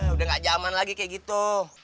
udah ga jaman lagi kayak gitu